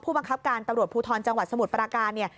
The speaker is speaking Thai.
ผู้ประคับการตำรวจภูทรจังหวัดสมุทรประการ